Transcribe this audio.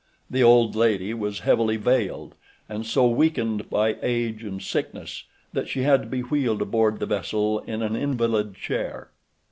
The old lady was heavily veiled, and so weakened by age and sickness that she had to be wheeled aboard the vessel in an invalid chair.